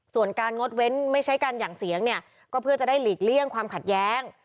ส่วนการงดเว้นไม่ใช้การหยั่งเสียงเนี่ยก็เพื่อจะได้หลีกเลี่ยงความขัดแย้ง